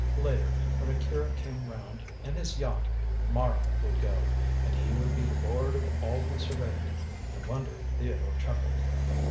Later, when Akira came round in his yacht, Mara would go, and he would be lord of all he surveyed. No wonder Theodore chuckled.